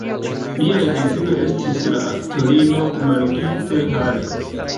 Lia edzino estis la aktorino Margit Haller.